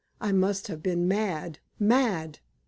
I must have been mad mad!